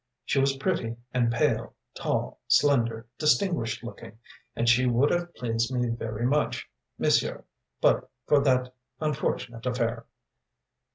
She was pretty and pale, tall, slender, distinguished looking, and she would have pleased me very much, monsieur, but for that unfortunate affair.